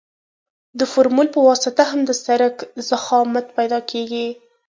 د فورمول په واسطه هم د سرک ضخامت پیدا کیږي